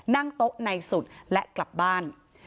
นั่งโต๊ะในสุดและกลับบ้าน